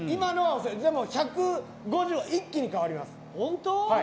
でも１５０は一気に変わります。